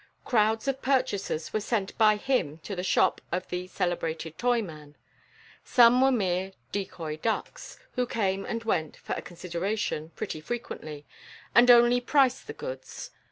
Crowds of purchasers were sent by him to the shop of "the celebrated toy man." Some were mere decoy ducks, who came and went (for a consideration) pretty frequently, and only "priced" the goods.